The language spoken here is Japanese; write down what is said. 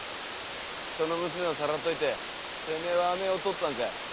人の娘をさらっといててめえは甘いお父っつぁんか〕